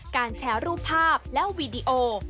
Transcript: การแชร์รูปภาพและวีดีโอ